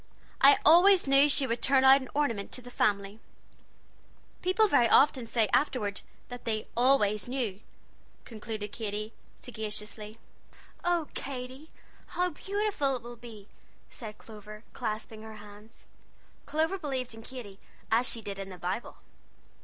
I always knew she would turn out an ornament to the family,' People very often say, afterward, that they 'always knew,'" concluded Katy sagaciously. "Oh, Katy! how beautiful it will be!" said Clover, clasping her hands. Clover believed in Katy as she did in the Bible.